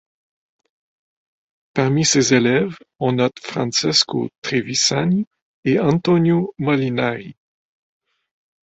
Parmi ses élèves on note Francesco Trevisani et Antonio Molinari.